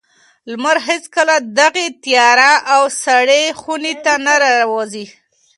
لمر هېڅکله دغې تیاره او سړې خونې ته نه راوځي.